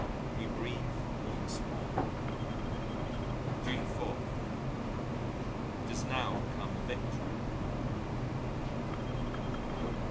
We breathe once more. June 4. It has now become a victory.